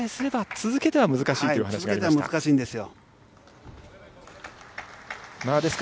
続けては難しいんですよ。